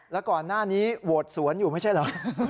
แล้วก่อนหน้านี้โหวตสวนอยู่ไม่ใช่เหรอ